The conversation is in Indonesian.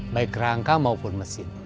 baik rangka maupun mesin